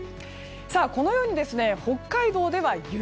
このように北海道では雪。